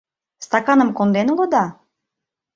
Стаканым конден улыда?